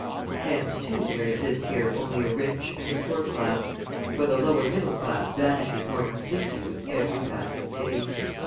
Hence, too, there exist here only a rich and a poor class, for the lower middle class vanishes more completely with every passing day.